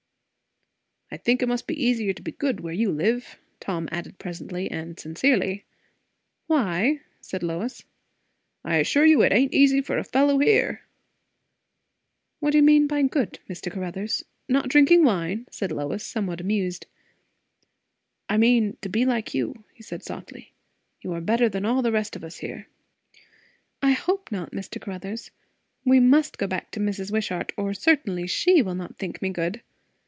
"I think it must be easier to be good where you live," Tom added presently, and sincerely. "Why?" said Lois. "I assure you it ain't easy for a fellow here." "What do you mean by 'good,' Mr. Caruthers? not drinking wine?" said Lois, somewhat amused. "I mean, to be like you," said he softly. "You are better than all the rest of us here." "I hope not. Mr. Caruthers, we must go back to Mrs. Wishart, or certainly she will not think me good."